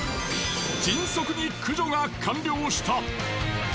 迅速に駆除が完了した。